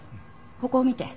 ここを見て。